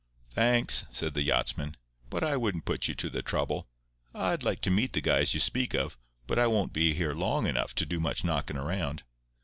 "Thanks," said the yachtsman, "but I wouldn't put you to the trouble. I'd like to meet the guys you speak of, but I won't be here long enough to do much knocking around.